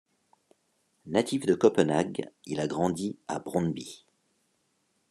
Natif de Copenhague, il a grandi à Brøndby.